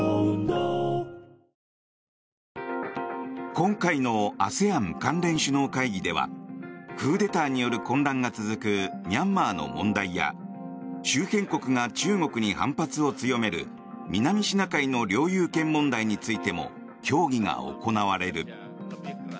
今回のＡＳＥＡＮ関連首脳会議ではクーデターによる混乱が続くミャンマーの問題や周辺国が中国に反発を強める南シナ海の領有権問題についても協議が行われる。